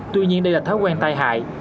tuy nhiên đây là thói quen tai hại